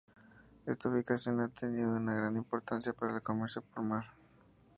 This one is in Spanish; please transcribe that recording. Esta ubicación ha tenido una gran importancia para el comercio por mar.